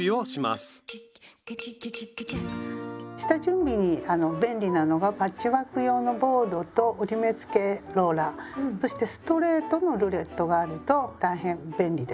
下準備に便利なのがパッチワーク用のボードと折り目つけローラーそしてストレートのルレットがあると大変便利です。